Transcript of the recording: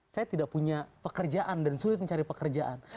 saya tidak punya pekerjaan dan sulit mencari pekerjaan